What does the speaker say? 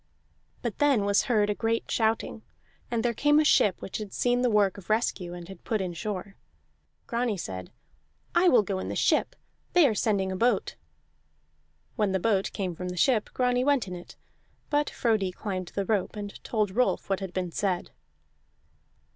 But then was heard a great shouting, and there came a ship which had seen the work of rescue, and had put in shore. Grani said: "I will go in the ship; they are sending a boat." When the boat came from the ship, Grani went in it; but Frodi climbed the rope and told Rolf what had been said.